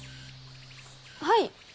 はい？